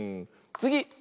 つぎ！